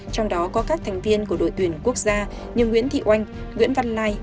trong đó có các thành viên của đội tuyển quốc gia như nguyễn thị oanh nguyễn văn lai